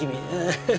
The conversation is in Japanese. ハハハ。